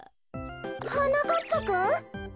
はなかっぱくん？